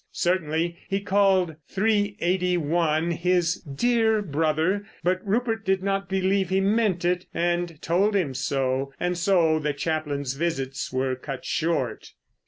Certainly he called Three eighty one his "dear brother," but Rupert did not believe he meant it, and told him so. And so the chaplain's visits were cut short.